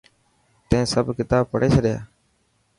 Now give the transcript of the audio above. تين سڀ ڪتاب پڙهي ڇڏيا؟